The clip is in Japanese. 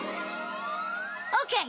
オッケー！